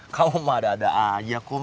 kamu mah ada ada aja kum